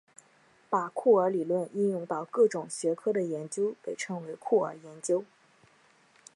把酷儿理论应用到各种学科的研究被称为酷儿研究。